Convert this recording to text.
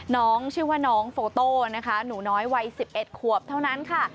น้องชื่อว่าน้องโฟโต้นะคะหนูน้อยวัย๑๑ขวบเท่านั้นค่ะ